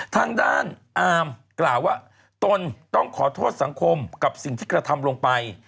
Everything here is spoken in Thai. ทางด้านอาร์มกล่าวว่าตนต้องขอโทษสังคมกับสิ่งที่กระทำลงไป